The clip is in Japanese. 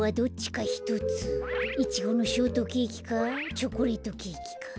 イチゴのショートケーキかチョコレートケーキか。